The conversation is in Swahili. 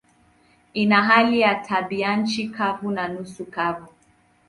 Ina hali ya tabianchi kavu na nusu kavu.